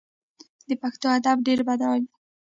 د پښتو ادب ډیر بډایه دی.